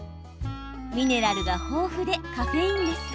ミネラルが豊富でカフェインレス。